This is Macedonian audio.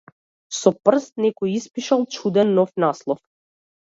Со прст некој испишал чуден, нов наслов.